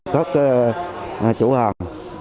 các chủ hàng